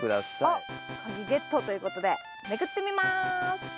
あっ鍵ゲットということでめくってみます。